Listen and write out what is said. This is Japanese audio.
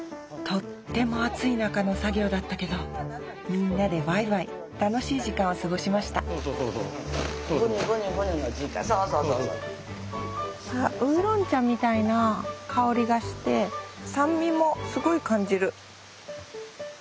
とっても暑い中の作業だったけどみんなでワイワイ楽しい時間を過ごしましたあウーロン茶みたいな香りがして酸味もすごい感じる。